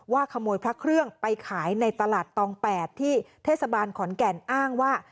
ขโมยพระเครื่องไปขายในตลาดตอง๘ที่เทศบาลขอนแก่นอ้างว่า